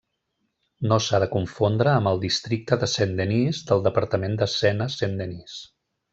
No s'ha de confondre amb el Districte de Saint-Denis del departament de Sena Saint-Denis.